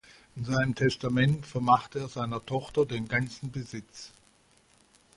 In seinem Testament vermacht er seiner Tochter den ganzen Besitz.